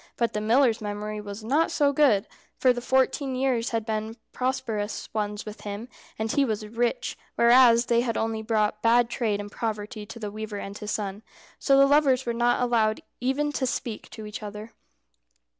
But the miller's memory was not so good, for the fourteen years had been prosperous ones with him, and he was rich, whereas they had only brought bad trade and poverty to the weaver and his son. So the lovers were not allowed even to speak to each other.